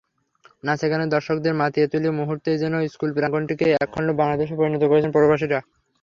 নাচে-গানে দর্শকদের মাতিয়ে তুলে মুহূর্তেই যেন স্কুল-প্রাঙ্গণটিকে একখণ্ড বাংলাদেশে পরিণত করেছিলেন প্রবাসীরা।